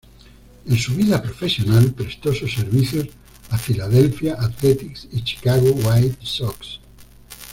En su vida profesional prestó sus servicios a Philadelphia Athletics y Chicago White Sox.